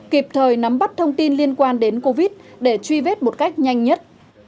kịp thời nắm bắt thông tin liên quan đến covid để truy vết một cách nhanh nhất